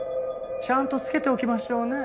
ちゃんとつけておきましょうね。